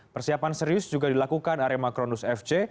persiapan serius juga dilakukan oleh macronus fc